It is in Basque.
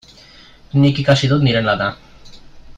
Nik ikasi dut nire lana.